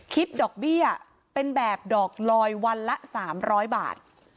คิดดอกเบี้ยเป็นแบบดอกลอยวันละ๓๐๐บาท